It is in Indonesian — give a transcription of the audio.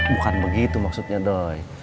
bukan begitu maksudnya doy